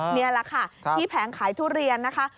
นี่แหละค่ะที่แผงขายทุเรียนนะคะ